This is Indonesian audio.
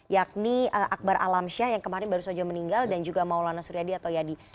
yakni akbar alamsyah yang kemarin baru saja meninggal dan juga maulana suryadi atau yadi